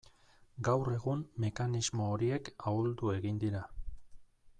Gaur egun mekanismo horiek ahuldu egin dira.